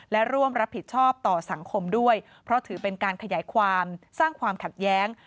และร่วมรับผิดชอบต่อสังคมด้วยเพราะถือเป็นการขยายความสร้างความขัดแย้ง